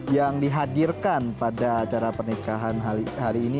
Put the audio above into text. yang dihadirkan pada acara pernikahan hari ini